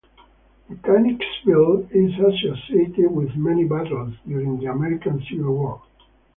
Mechanicsville is associated with many battles during the American Civil War.